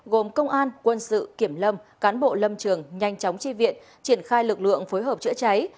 gồm công an quân sự kiểm lâm cán bộ lâm trường nhanh chóng tri viện triển khai lực lượng phối hợp chữa cháy